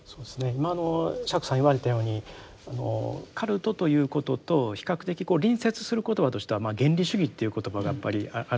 今の釈さん言われたようにカルトということと比較的隣接する言葉としては原理主義という言葉がやっぱりあると思うんですよね。